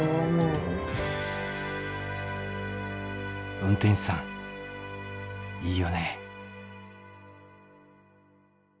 運転手さんいいよね。